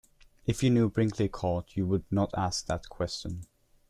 If you knew Brinkley Court, you would not ask that question.